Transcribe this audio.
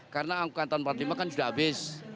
karena angkatan empat puluh lima kan sudah habis